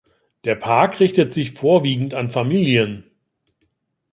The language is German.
Der Park richtet sich vorwiegend an Familien.